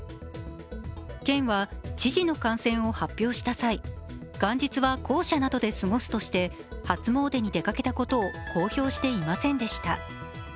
県は知事の感染を発表した際、元日は公舎などで過ごすとして初詣に出かけたことを公表していませんでした。